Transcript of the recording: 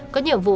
có nhiệm vụ